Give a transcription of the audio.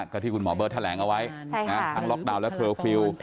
ก็ที่คุณหมอเบิร์ตแถลงเอาไว้ทั้งล็อกดาวน์และเคอร์ฟิลล์